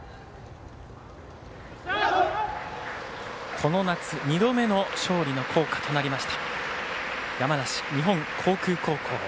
この夏２度目の勝利の校歌となりました山梨・日本航空高校。